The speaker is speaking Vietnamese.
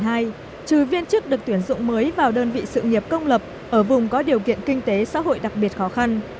trừ viên chức được tuyển dụng mới vào đơn vị sự nghiệp công lập ở vùng có điều kiện kinh tế xã hội đặc biệt khó khăn